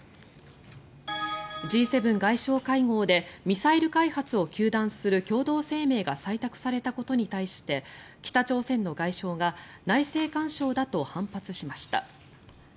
Ｇ７外相会合でミサイル開発を糾弾する共同声明が採択されたことに対して北朝鮮の外相が内政干渉だと反発しました。